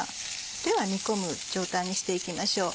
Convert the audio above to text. では煮込む状態にしていきましょう。